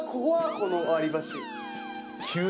この割り箸。